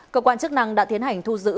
cơ quan chức năng đã tiến hành thu giữ